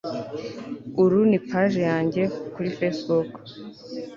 Uru ni page yanjye kuri Facebook